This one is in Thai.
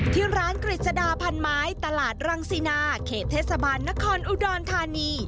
ที่ร้านกฤษดาพันไม้ตลาดรังสินาเขตเทศบาลนครอุดรธานี